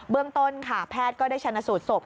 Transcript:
เรื่องต้นค่ะแพทย์ก็ได้ชนะสูตรศพ